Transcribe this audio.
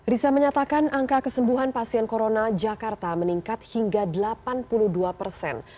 risa menyatakan angka kesembuhan pasien corona jakarta meningkat hingga delapan puluh dua persen